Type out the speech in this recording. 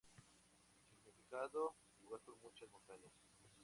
Significado: Lugar con muchas montañas.